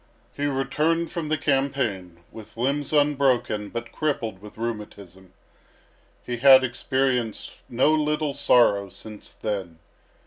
He returned from the campaign with limbs unbroken but crippled with rheumatism. He had experienced no little sorrow since then.